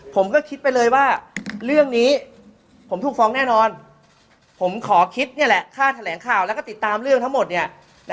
ผมก็คิดไปเลยว่าเรื่องนี้ผมถูกฟ้องแน่นอนผมขอคิดนี่แหละค่าแถลงข่าวแล้วก็ติดตามเรื่องทั้งหมดเนี่ย